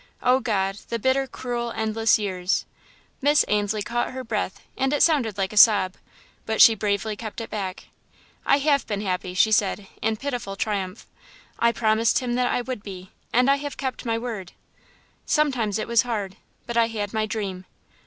Oh, God, the bitter, cruel, endless years!" Miss Ainslie caught her breath and it sounded like a sob, but she bravely kept it back. "I have been happy," she said, in pitiful triumph; "I promised him that I would be, and I have kept my word. Sometimes it was hard, but I had my dream.